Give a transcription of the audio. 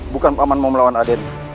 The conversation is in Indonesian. bukan paman mau melawan aden